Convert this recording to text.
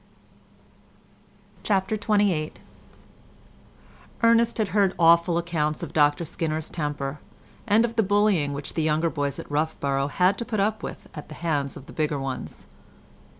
CHAPTER XXVIII Ernest had heard awful accounts of Dr Skinner's temper, and of the bullying which the younger boys at Roughborough had to put up with at the hands of the bigger ones.